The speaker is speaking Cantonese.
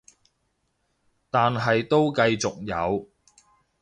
但係都繼續有